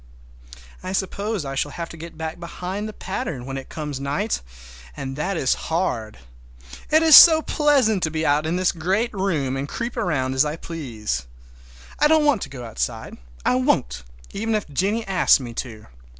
I suppose I shall have to get back behind the pattern when it comes night, and that is hard! It is so pleasant to be out in this great room and creep around as I please! I don't want to go outside. I won't, even if Jennie asks me to.